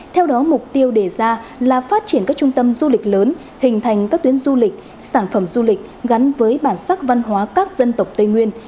theo đó mục tiêu đề ra là phát triển các trung tâm du lịch lớn hình thành các tuyến du lịch sản phẩm du lịch gắn với bản sắc văn hóa các dân tộc tây nguyên